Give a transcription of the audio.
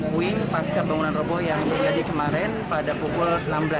dan puing pasca bangunan robo yang terjadi kemarin pada pukul enam belas